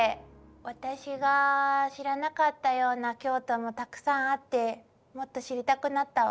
私が知らなかったような京都もたくさんあってもっと知りたくなったわ。